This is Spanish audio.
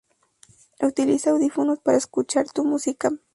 Utiliza audífonos para escuchar tu música.